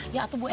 ya tuh bu endang